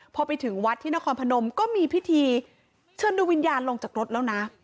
พอไปถึงวัดที่นครพนมก็มีพิธีเชิญดูวิญญาณลงจากรถแล้วนะ